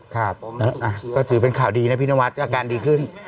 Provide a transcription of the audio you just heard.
ครับก็ถือเป็นข่าวดีนะพี่นวัดอาการดีขึ้น